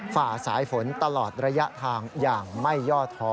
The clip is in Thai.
ฝ่าสายฝนตลอดระยะทางอย่างไม่ย่อท้อ